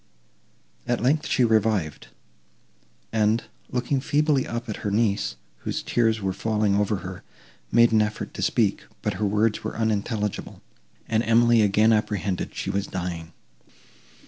At length, she revived, and, looking feebly up at her niece, whose tears were falling over her, made an effort to speak, but her words were unintelligible, and Emily again apprehended she was dying.